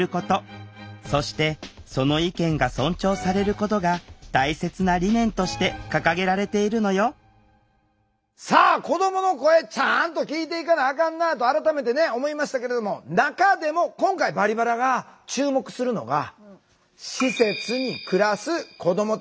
法律では大切な理念として掲げられているのよさあ子どもの声ちゃんと聴いていかなあかんなと改めて思いましたけれども中でも今回「バリバラ」が注目するのがはい。